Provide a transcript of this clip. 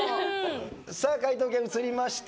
解答権移りました。